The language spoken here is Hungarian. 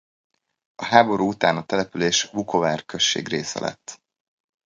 A háború után a település Vukovár község része lett.